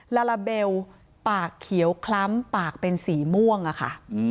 ลาลาเบลปากเขียวคล้ำปากเป็นสีม่วงอะค่ะ